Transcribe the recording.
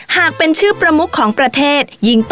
หากเป็นชื่อประมุขของประเทศ